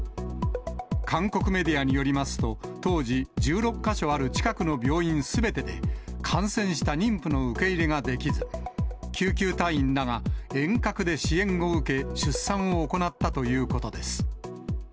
韓国メディアによりますと、当時、１６か所ある近くの病院すべてで、感染した妊婦の受け入れができず、救急隊員らが遠隔で支援を受け、出産を行ったということです。